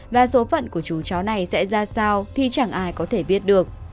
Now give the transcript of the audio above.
và số phận của chú chó này sẽ ra sao thì chẳng ai có thể biết được